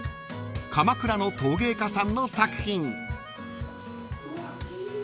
［鎌倉の陶芸家さんの作品］